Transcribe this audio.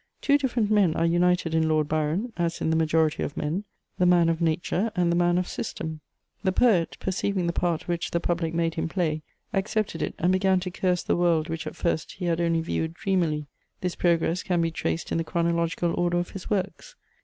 Two different men are united in Lord Byron, as in the majority of men: the man of nature and the man of system. The poet, perceiving the part which the public made him play, accepted it and began to curse the world which at first he had only viewed dreamily: this progress can be traced in the chronological order of his works.